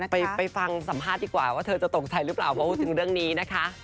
ไปฟังสัมภาษณ์ดีกว่าว่าเธอจะตกใจหรือเปล่าเพราะพูดถึงเรื่องนี้นะคะ